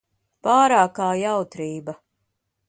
Pārākā jautrība.